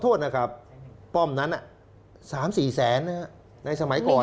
ขอโทษนะครับป้อมนั้นน่ะสามสี่แสนนะครับในสมัยก่อน